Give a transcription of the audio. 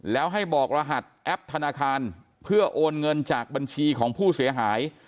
แล้วให้บอกรหัสแอปธนาคารเพื่อโอนเงินจากบัญชีของผู้เสียหาย